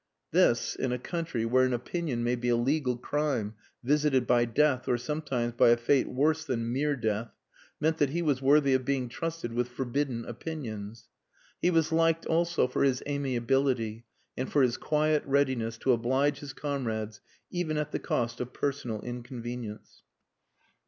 This, in a country where an opinion may be a legal crime visited by death or sometimes by a fate worse than mere death, meant that he was worthy of being trusted with forbidden opinions. He was liked also for his amiability and for his quiet readiness to oblige his comrades even at the cost of personal inconvenience.